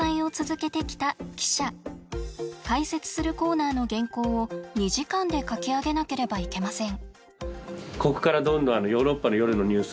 解説するコーナーの原稿を２時間で書き上げなければいけません。